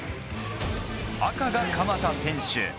赤が鎌田選手。